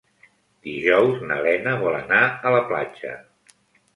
Dijous na Lena vol anar a la platja.